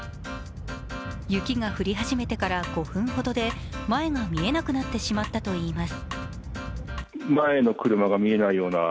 雪が降り始めてから５分ほどで前が見えなくなってしまったといいます。